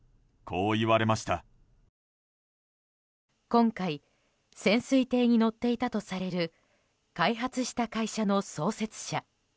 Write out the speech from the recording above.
今回潜水艇に乗っていたとされる開発した会社の創設者。